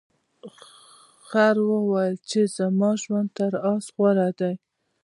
خر وویل چې زما ژوند تر اس غوره دی.